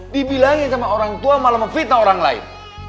dibilangin sama orang tua malah memfitnah orang lain